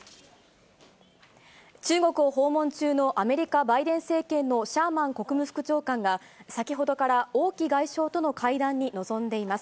中国を訪問中のアメリカ、バイデン政権のシャーマン国務副長官が、先ほどから王毅外相との会談に臨んでいます。